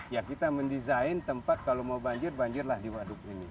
ya kita mendesain tempat kalau mau banjir banjirlah di waduk ini